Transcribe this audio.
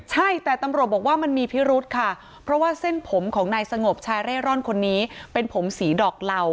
ใช่แต่ตำรวจบอกว่ามันมีพิรุธค่ะเพราะว่าเส้นผมของนายสงบชายเร่ร่อนคนนี้เป็นผมสีดอกเหล่า